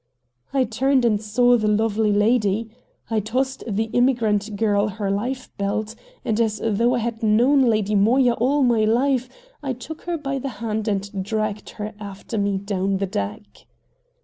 I turned and saw the lovely lady. I tossed the immigrant girl her life belt, and as though I had known Lady Moya all my life I took her by the hand and dragged her after me down the deck.